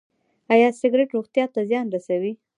ایا سګرټ روغتیا ته زیان رسوي؟